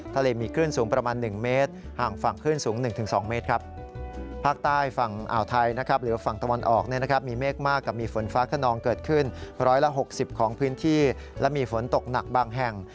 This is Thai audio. ตกหนักบางแห่ง